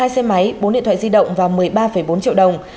hai xe máy bốn điện thoại di động và một mươi ba bốn triệu đồng